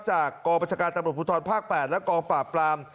จากกรปัจจักรตำรวจผู้ทรภาค๘และกรปราบปราม